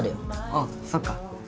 ああそっか。